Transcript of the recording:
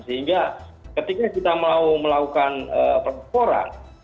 jadi ketika kita mau melakukan perboran